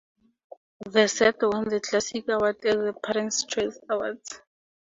The set won the Classic Award at the Parents' Choice Awards.